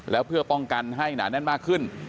แล้วเพื่อป้องกันให้หนาแน่นมากขึ้น